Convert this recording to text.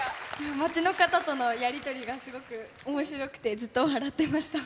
町の方とのやり取りがすごくおもしろくて、ずっと笑ってました。